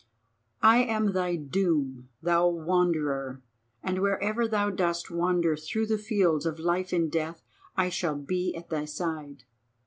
I am thy doom, thou Wanderer, and wherever thou dost wander through the fields of Life and Death I shall be at thy side.